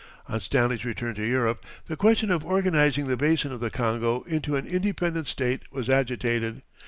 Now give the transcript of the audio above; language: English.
On Stanley's return to Europe the question of organizing the basin of the Congo into an independent state was agitated.